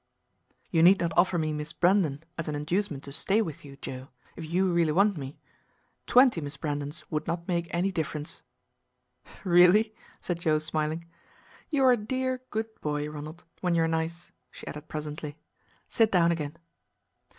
"You need not offer me Miss Brandon as an inducement to stay with you, Joe, if you really want me. Twenty Miss Brandons would not make any difference!" "Really?" said Joe smiling. "You are a dear good boy, Ronald, when you are nice," she added presently. "Sit down again."